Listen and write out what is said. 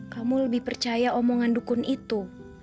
kamu lebih percaya omongan dukun itu